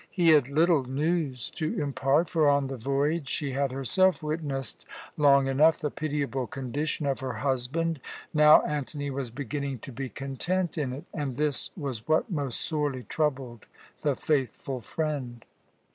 He had little news to impart; for on the voyage she had herself witnessed long enough the pitiable condition of her husband. Now Antony was beginning to be content in it, and this was what most sorely troubled the faithful friend.